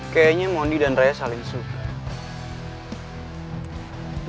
kayaknya mondi dan raya saling suka